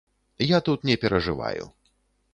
Я тут не перажываю.